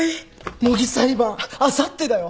模擬裁判あさってだよ。